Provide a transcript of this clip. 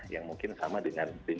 yang mungkin sama dengan